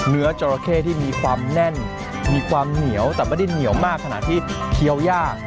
จราเข้ที่มีความแน่นมีความเหนียวแต่ไม่ได้เหนียวมากขนาดที่เคี้ยวยาก